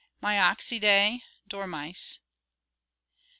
Myoxidae, dormice.